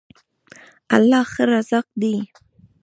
الله ښه رازق دی.